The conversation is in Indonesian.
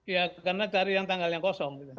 ya karena dari yang tanggalnya kosong